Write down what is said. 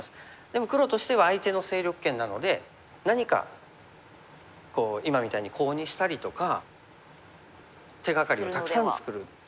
でも黒としては相手の勢力圏なので何か今みたいにコウにしたりとか手がかりをたくさん作る。